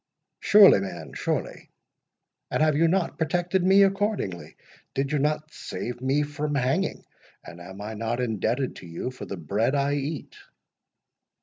"Surely, man, surely; and have you not protected me accordingly? Did you not save me from hanging? and am I not indebted to you for the bread I eat?"